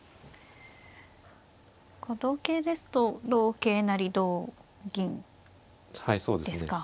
同桂ですと同桂成同銀ですか。